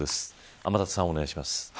天達さん、お願いします。